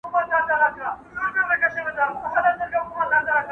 • په رسنيو کي موضوع ورو ورو کمه سي راپور,